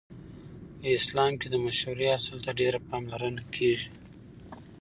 په اسلام کې د مشورې اصل ته ډېره پاملرنه کیږي.